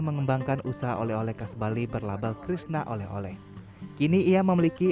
mengembangkan usaha oleh oleh khas bali berlabel krishna oleh oleh kini ia memiliki